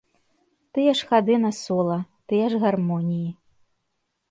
Тыя ж хады на сола, тыя ж гармоніі.